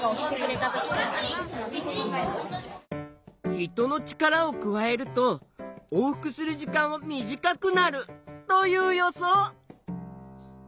人の力を加えると往復する時間は短くなるという予想。